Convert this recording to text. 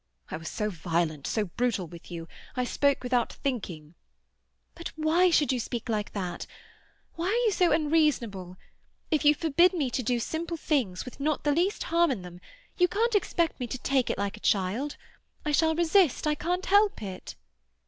"I was so violent, so brutal with you. I spoke without thinking—" "But why should you speak like that? Why are you so unreasonable? If you forbid me to do simple things, with not the least harm in them, you can't expect me to take it like a child. I shall resist; I can't help it."